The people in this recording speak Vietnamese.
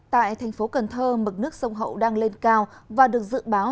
tại thành phố cần thơ mực nước sông hậu đang lên cao và được dự báo